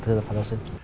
thưa pháp đạo sư